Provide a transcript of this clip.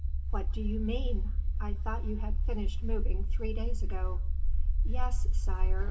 "What do you mean? I thought you had finished moving three days ago." "Yes, sire.